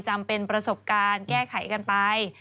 จำเป็นประสบการณ์แก้ไขกันไป